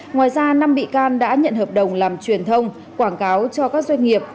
ngoài ra năm bị can đã nhận hợp đồng làm truyền thông quảng cáo cho các doanh nghiệp